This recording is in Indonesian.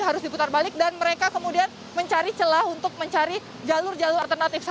harus diputar balik dan mereka kemudian mencari celah untuk mencari jalur jalur alternatif